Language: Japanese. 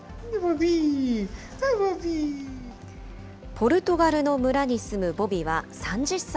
ポルトガルの村に住むボビは３０歳。